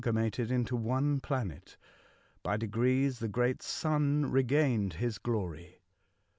mated into one planet; by degrees the great sun regained his glory.